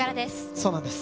そうなんです。